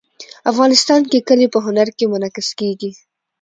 افغانستان کې کلي په هنر کې منعکس کېږي.